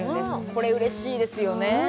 これ嬉しいですよね